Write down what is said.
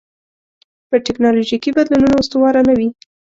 پر ټکنالوژیکي بدلونونو استواره نه وي.